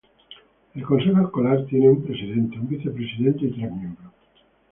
El consejo escolar tiene un presidente, un vicepresidente, y tres miembros.